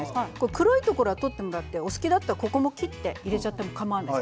黒いところを取っていただいてお好きだったらここも切っちゃってかまわないです。